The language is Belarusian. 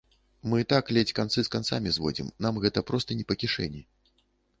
Мы і так ледзь канцы з канцамі зводзім, нам гэта проста не па кішэні.